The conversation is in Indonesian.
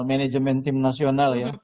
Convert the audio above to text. manajemen tim nasional ya